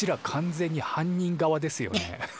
完全に犯人側ですよね？